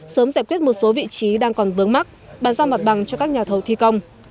sớm giải quyết một số vị trí đang còn vướng mắt bàn giao mặt bằng cho các nhà thầu thi công